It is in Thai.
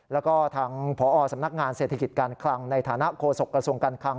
แล้วก็ทางพอสำนักงานเศรษฐกิจการคลังในฐานะโฆษกระทรวงการคลัง